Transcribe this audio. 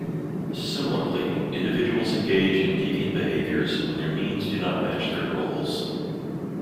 Similarly, individuals engage in deviant behaviors when their means do not match their goals.